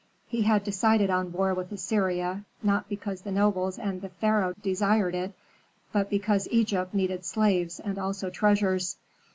He had decided on war with Assyria, not because the nobles and the pharaoh desired it, but because Egypt needed slaves and also treasures.